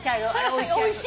おいしいね。